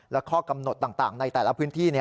และข้อกำหนดต่างในแต่ละพื้นที่